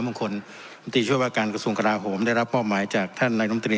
มงคลตรีช่วยว่าการกระทรวงกราโหมได้รับมอบหมายจากท่านนายนมตรี